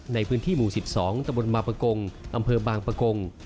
ในพื้นที่หมู่๑๒ตะบนมาประกงอำเภอบางปะกง